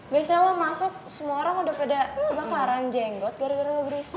biasanya lo masuk semua orang udah pada kebakaran jenggot gara gara lo berisi